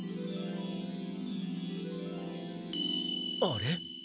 あれ？